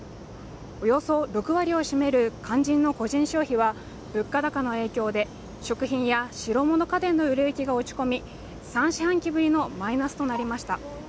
およそ６割を占める肝心の個人消費は物価高の影響で食品や白物家電の売れ行きが落ち込み３四半期ぶりのマイナスとなりました